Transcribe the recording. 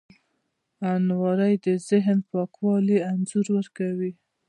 الماري د ذهن پاکوالي انځور ورکوي